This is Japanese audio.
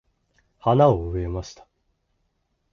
花を植えました。